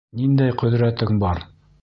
Ниндәй ҡөҙрәтең бар?